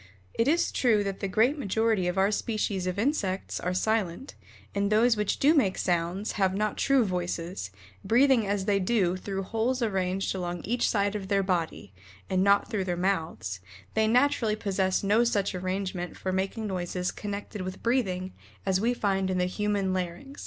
It is true that the great majority of our species of insects are silent, and those which do make sounds, have not true voices, breathing as they do through holes arranged along each side of their body, and not through their mouths, they naturally possess no such arrangement for making noises connected with breathing as we find in the human larynx.